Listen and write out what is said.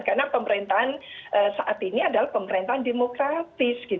karena pemerintahan saat ini adalah pemerintahan demokratis